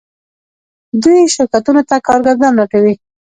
دوی شرکتونو ته کارګران لټوي.